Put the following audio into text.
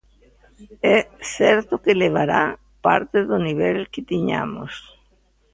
É certo que levará parte do nivel que tiñamos.